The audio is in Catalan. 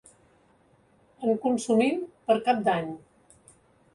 En consumim per cap d'any.